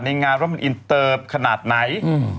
ในงารรบันอินเตอร์ขนาดไหน